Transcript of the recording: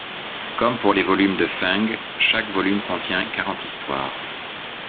Comme pour les volumes de Feng, chaque volume contient quarante histoires.